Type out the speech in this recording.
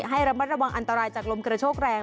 ให้ระมัดระวังอันตรายจากลมกระโชกแรง